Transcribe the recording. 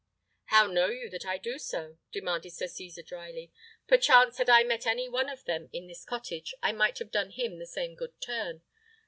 "How know you that I do so?" demanded Sir Cesar drily. "Perchance had I met any one of them in this cottage, I might have done him the same good turn.